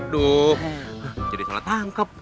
duh jadi salah tangkep